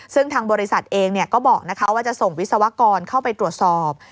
ซึ่งทางบริษัทเองก็บอกว่าจะส่งวิศวกรเข้าไปตรวจสอบ